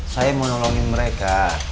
saya mau nolongin mereka